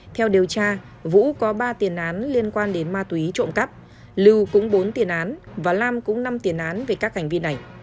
theo điều tra vũ có ba tiền án liên quan đến ma túy trộm cắp lưu cũng bốn tiền án và lam cũng năm tiền án về các hành vi này